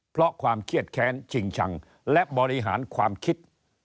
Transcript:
เพราะความเครียดแค้นชิงชังและบริหารความคิด